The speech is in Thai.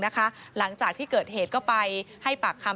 ตอนที่เกิดเหตุก็ไปให้ปากคำ